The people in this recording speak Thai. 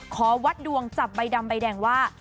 ขอวัดดวงจับใบดำใบแดงว่า